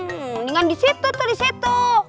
mendingan di situ tuh di situ